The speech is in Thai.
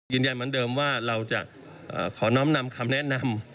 ยืนยันเหมือนเดิมว่าเราจะขอน้อมนำคำแนะนำ